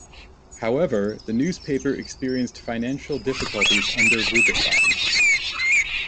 However, the newspaper experienced financial difficulties under Rubython.